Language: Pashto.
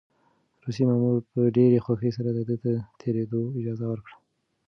روسي مامور په ډېرې خوښۍ سره ده ته د تېرېدو اجازه ورکړه.